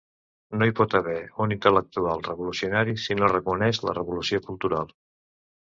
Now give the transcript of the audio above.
No hi pot haver un intel·lectual revolucionari si no reconeix la revolució cultural.